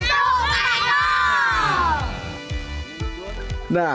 masuk pak eko